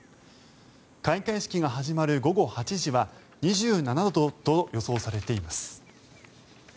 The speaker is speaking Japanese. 開会式が始まる午後８時は２７度と予想されています。